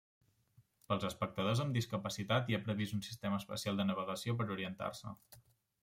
Pels espectadors amb discapacitat hi ha previst un sistema especial de navegació per a orientar-se.